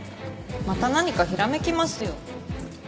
また何かひらめきますよ。